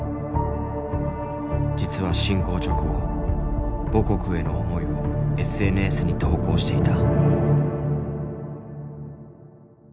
実は侵攻直後母国への思いをＳＮＳに投稿していた。